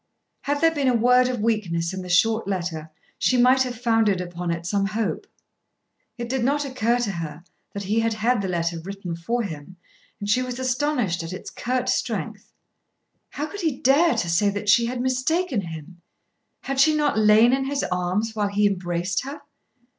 Had there been a word of weakness in the short letter she might have founded upon it some hope. It did not occur to her that he had had the letter written for him, and she was astonished at its curt strength. How could he dare to say that she had mistaken him? Had she not lain in his arms while he embraced her?